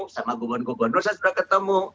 sama gubernur gubernur saya sudah ketemu